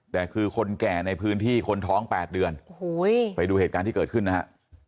แต่คือคนแก่ในพื้นที่คนท้อง๘เดือนโอ้โหไปดูเหตุการณ์ที่เกิดขึ้นนะฮะ